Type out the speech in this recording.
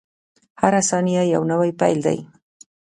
• هره ثانیه یو نوی پیل دی.